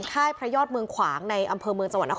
ค่ายพระยอดเมืองขวางในอำเภอเมืองต่างเกียร์